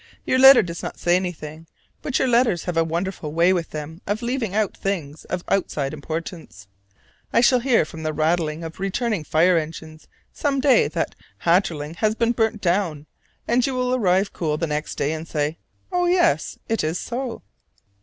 Your letter does not say anything: but your letters have a wonderful way with them of leaving out things of outside importance. I shall hear from the rattle of returning fire engines some day that Hatterling has been burned down: and you will arrive cool the next day and say, "Oh yes, it is so!"